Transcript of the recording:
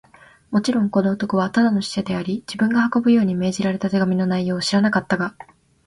もちろん、この男はただの使者であり、自分が運ぶように命じられた手紙の内容を知らなかったが、